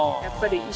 やっぱり。